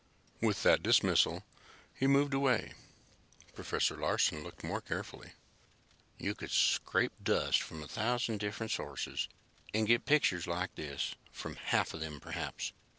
With that dismissal, he moved away. Professor Larsen looked more carefully. "You could scrape dust from a thousand different sources and get pictures like this from half of them perhaps.